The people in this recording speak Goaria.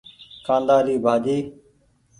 ڪآندآ ري ڀآڃي۔